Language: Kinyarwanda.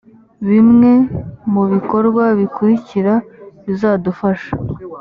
bimwe mu bikorwa bikurikira bizadufasha